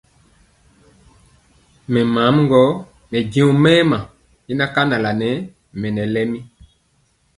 Mɛɛma gɔ mɛ jɔ mɛɛma na kanala nɛɛ y lɛmi.